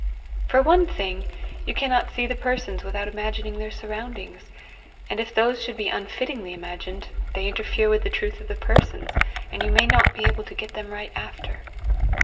For one thing, you cannot see the persons without imagining their surroundings, and if those should be unfittingly imagined, they interfere with the truth of the persons, and you may not be able to get them right after.